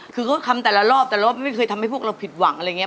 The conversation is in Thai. คือเขาทำแต่ละรอบแต่ละไม่เคยทำให้พวกเราผิดหวังอะไรอย่างนี้